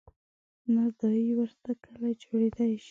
نه دای ورته کله جوړېدای شي.